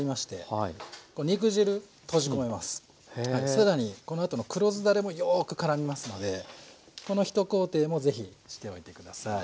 更にこのあとの黒酢だれもよくからみますのでこの一工程も是非しておいて下さい。